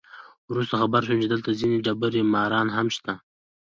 وروسته خبر شوم چې دلته ځینې دبړه ماران هم شته.